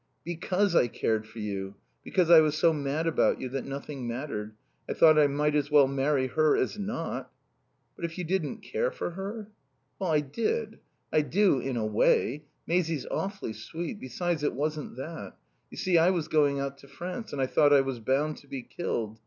"Because I cared for you. Because I was so mad about you that nothing mattered. I thought I might as well marry her as not." "But if you didn't care for her?" "I did. I do, in a way. Maisie's awfully sweet. Besides, it wasn't that. You see, I was going out to France, and I thought I was bound to be killed.